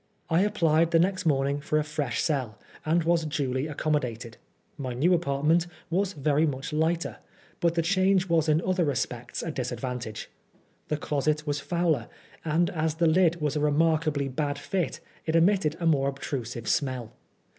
I applied the next morning for a fresh cell, and was duly accommo dated. My new apartment was very much lighter, but the change was in other respects a disadvantage. The closet was fouler, and as the lid was a remarkably bad fit, it emitted a more obtrusive smell.